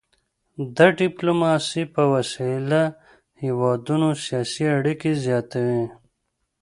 د ډيپلوماسي په وسيله هیوادونه سیاسي اړيکي زیاتوي.